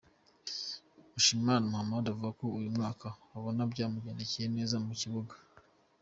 Mushimiyimana Mohammed uvuga ko uyu mwaka abona byamugendekeye neza mu kibuga.